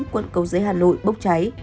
quận cầu giấy hà nội bốc cháy